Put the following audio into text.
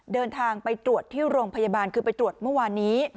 เดินทางไปตรวจที่โรงพยาบาลคือไปตรวจเมื่อวานนี้